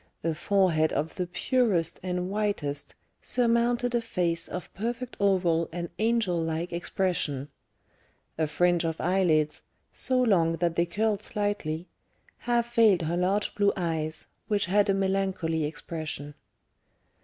A forehead, of the purest and whitest, surmounted a face of perfect oval and angel like expression; a fringe of eyelids, so long that they curled slightly, half veiled her large blue eyes, which had a melancholy expression.